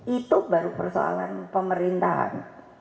itu baru persoalan pemerintahan